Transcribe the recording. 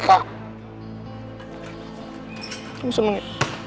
kamu seneng ya